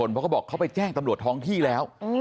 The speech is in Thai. เพราะเขาบอกเขาไปแจ้งตำรวจท้องที่แล้ว